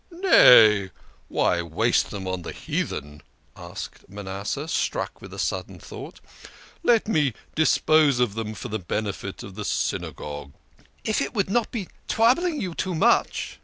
" Nay, why waste them on the heathen?" asked Manas seh, struck with a sudden thought. " Let me dispose of them for the benefit of the Synagogue." " If it would not be troubling you too much